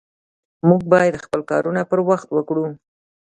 مونږ بايد خپل کارونه پر وخت وکړو